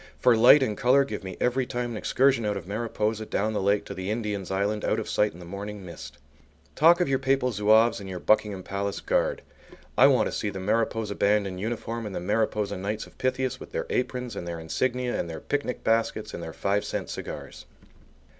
For light and colour give me every time an excursion out of Mariposa down the lake to the Indian's Island out of sight in the morning mist. Talk of your Papal Zouaves and your Buckingham Palace Guard! I want to see the Mariposa band in uniform and the Mariposa Knights of Pythias with their aprons and their insignia and their picnic baskets and their five cent cigars!